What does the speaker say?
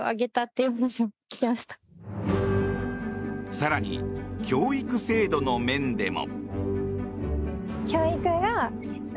更に教育制度の面でも。